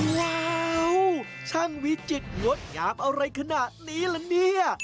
ว้าวช่างวิจิตรงดงามอะไรขนาดนี้ละเนี่ย